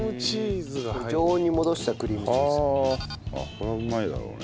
これはうまいだろうね。